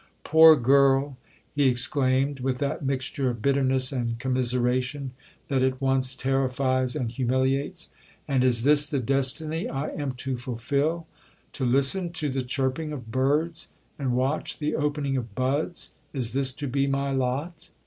'Poor girl,' he exclaimed, with that mixture of bitterness and commiseration, that at once terrifies and humiliates; 'and is this the destiny I am to fulfil?—to listen to the chirping of birds, and watch the opening of buds? Is this to be my lot?'